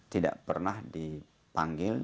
tidak pernah dipanggil